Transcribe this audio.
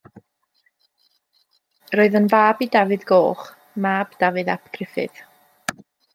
Roedd yn fab i Dafydd Goch, mab Dafydd ap Gruffudd.